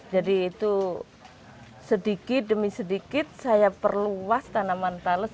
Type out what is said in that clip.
jadi itu sedikit demi sedikit saya perluas tanaman thales